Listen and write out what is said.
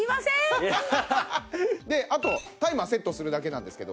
であとタイマーセットするだけなんですけど。